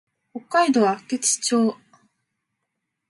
北海道厚岸町